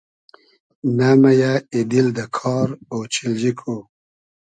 نۂ مئیۂ ای دیل دۂ کار ، اۉچیلجی کو